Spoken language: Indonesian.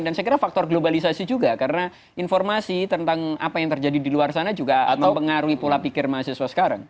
dan saya kira faktor globalisasi juga karena informasi tentang apa yang terjadi di luar sana juga mempengaruhi pula pikir mahasiswa sekarang